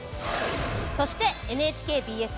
そしてＮＨＫＢＳ